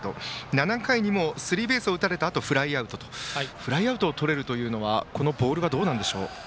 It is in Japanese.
７回にもスリーベースを打たれたあとフライアウトとフライアウトをとれるというのはボールとしてどうなんでしょう？